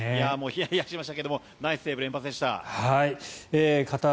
ひやひやしましたけどナイスセーブ連発でした。